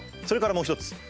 それからもう一つ。